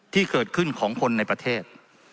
ที่เกิดขึ้นของคนในประเทศ